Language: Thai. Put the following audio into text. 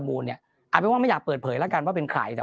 เอาเป็นว่าไม่อยากเปิดเผยแล้วกันว่าเป็นใครแต่